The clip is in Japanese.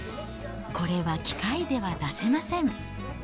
これは機械では出せません。